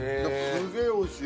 すげえ美味しい！